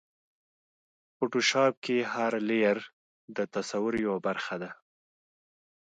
فوټوشاپ کې هر لېیر د تصور یوه برخه ده.